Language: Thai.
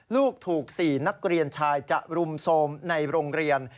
ลูกถูก๔นักเรียนชายจะรุมโทรมในโรงเรียน